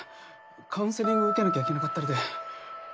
カウンセリングを受けなきゃいけなかったりで。